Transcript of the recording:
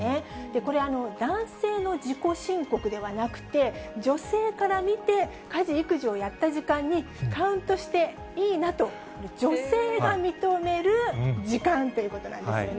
これ、男性の自己申告ではなくて、女性から見て家事・育児をやった時間にカウントしていいなと女性が認める時間ということなんですよね。